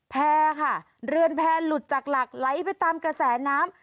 แพร่ค่ะเรือนแพร่หลุดจากหลักไหลไปตามกระแสน้ำ